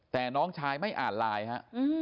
แต่น้องชายไม่อ่านไลน์ฮะ